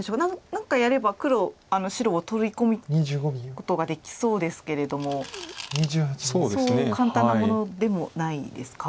何かやれば黒白を取り込むことができそうですけれどもそう簡単なものでもないですか？